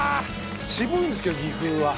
渋いんですけど岐阜は。